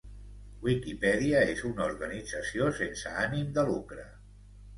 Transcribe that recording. Wikipedia és una organització sense ànim de lucre.